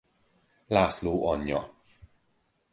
László anyja.